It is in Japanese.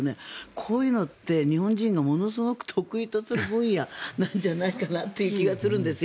こういうのって日本人がものすごく得意とする分野なんじゃないかって気がするんですよ。